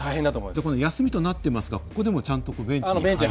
あっこの休みとなっていますがここでもちゃんとベンチに？